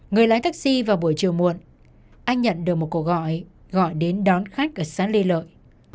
người lái taxi vào buổi chiều muộn anh nhận được một cuộc gọi gọi đến đón khách ở xã lê lợi